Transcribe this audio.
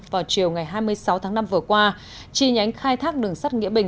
vào chiều ngày hai mươi sáu tháng năm vừa qua chi nhánh khai thác đường sắt nghĩa bình